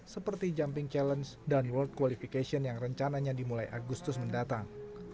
seperti jumping challenge dan world qualification yang rencananya dimulai agustus mendatang